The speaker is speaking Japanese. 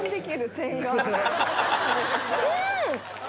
うん！